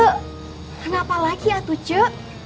kenapa lagi atuh ceng